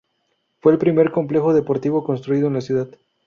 Fue el primer complejo deportivo construido en la ciudad.